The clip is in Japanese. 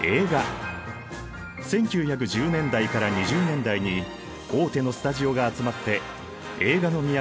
１９１０年代から２０年代に大手のスタジオが集まって映画の都